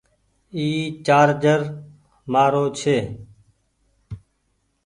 اي چآرجر مآرو ڇي ۔